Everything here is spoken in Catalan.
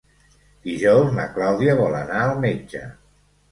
Dijous na Clàudia vol anar al metge.